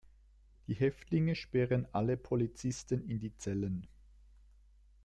Die Häftlinge sperren alle Polizisten in die Zellen.